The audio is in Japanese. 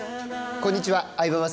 こんにちは。